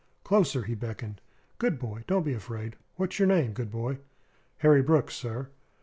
"Closer!" he beckoned. "Good boy, don't be afraid. What's your name, good boy?" "Harry Brooks, sir."